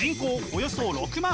およそ６万。